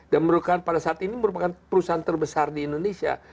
dan pada saat ini merupakan perusahaan terbesar di indonesia